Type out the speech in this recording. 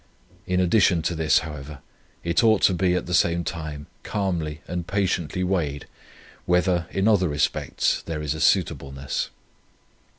In addition to this, however, it ought to be, at the same time, calmly and patiently weighed, whether, in other respects, there is a suitableness.